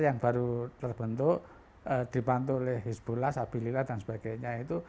yang baru terbentuk dibantu oleh hizbullah sabililah dan sebagainya itu